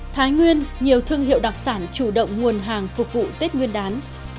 thái nguyên nhiều thương hiệu đặc sản chủ động nguồn hàng phục vụ tết nguyên đán